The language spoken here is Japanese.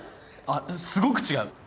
あっすごく違う。